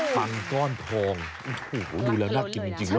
ปังจ้อนทองดูแล้วน่ากินจริงแล้ว